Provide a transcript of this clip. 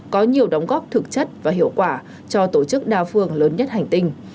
có nhiều đóng góp thực chất và hiệu quả cho tổ chức đa phương lớn nhất hành tinh